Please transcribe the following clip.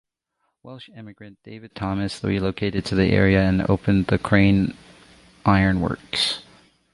Welsh immigrant David Thomas relocated to the area and opened the Crane Iron Works.